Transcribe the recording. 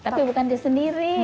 tapi bukan dia sendiri